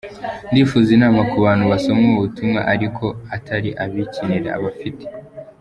Ndifuza inama kubantu basoma ubu butumwa ariko atari abikinira, abafite.